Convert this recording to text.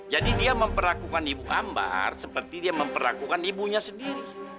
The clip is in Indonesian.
jadi dia memperlakukan ibu ambar seperti dia memperlakukan ibunya sendiri